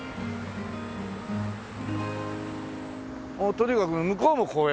もうとにかく向こうも公園。